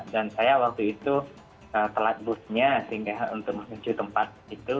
dan saya waktu itu telat busnya sehingga untuk menuju tempat itu